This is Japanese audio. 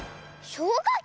しょうかき！